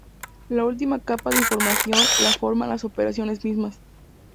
La última capa de información la forman las operaciones mismas.